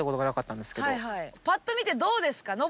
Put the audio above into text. ぱっと見てどうですか？